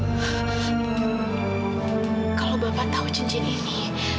kalau bapak tahu jinjin ini